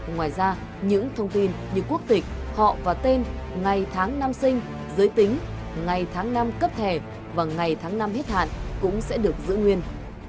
ngoài ra những thông tin như quốc tịch họ và tên ngày tháng năm sinh giới tính ngày tháng năm cấp thẻ và ngày tháng năm hết hạn cũng sẽ được giữ nguyên